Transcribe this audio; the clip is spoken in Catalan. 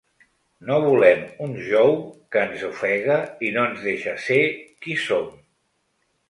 No volem un jou que ens ofega i no ens deixa ser qui som.